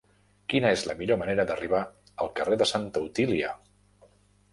Quina és la millor manera d'arribar al carrer de Santa Otília?